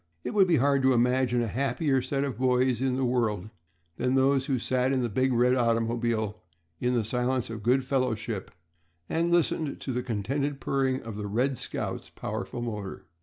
It would be hard to imagine a happier set of boys in the world than those who sat in the big red automobile in the silence of good fellowship and listened to the contented purring of the "Red Scout's" powerful motor.